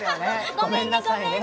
ごめんね、ごめんね。